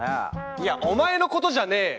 いやお前のことじゃねえよ！